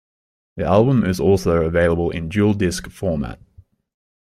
The album is also available in DualDisc format.